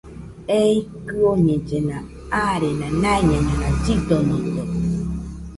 Ei kɨoñellena arena naiñañona llidonote